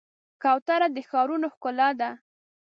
کوتره د ښارونو ښکلا ده.